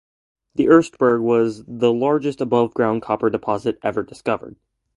The Ertsberg was the largest above-ground copper deposit ever discovered.